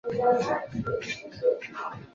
该城镇为普拉县的首府。